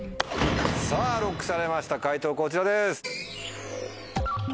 さぁＬＯＣＫされました解答こちらです。